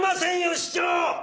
市長！